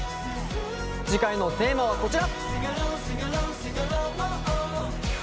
次回のテーマはこちら。